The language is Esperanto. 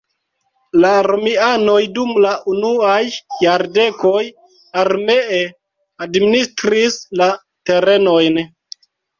La romianoj dum la unuaj jardekoj armee administris la terenojn.